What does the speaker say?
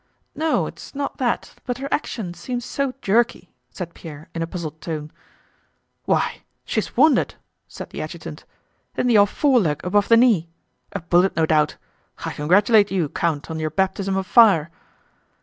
"No it's not that, but her action seems so jerky," said Pierre in a puzzled tone. "Why... she's wounded!" said the adjutant. "In the off foreleg above the knee. A bullet, no doubt. I congratulate you, Count, on your baptism of fire!"